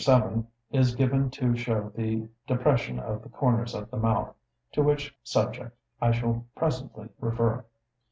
7, is given to show the depression of the corners of the mouth, to which subject I shall presently refer.